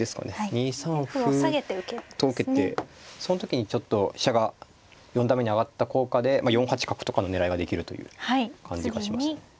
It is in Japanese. ２三歩と受けてその時にちょっと飛車が四段目に上がった効果で４八角とかの狙いができるという感じがします。